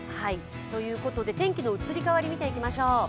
天気の移り変わりを見ていきましょう。